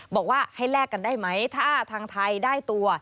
บอกว่าให้แลกกันได้ไหมถ้าทางไทยได้ตัว